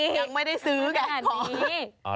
ยังไม่ได้ซื้อกันขอ